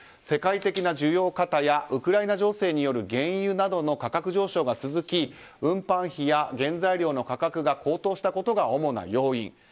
世界的な需要過多やウクライナ情勢による原油などの価格上昇が続き運搬費や原材料の価格が高騰したことが主な要因。